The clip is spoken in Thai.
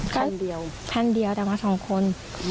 คันเดียวแต่มาสองคน